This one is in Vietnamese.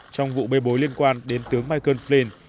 trong vụ bê bối liên quan đến tướng michael fren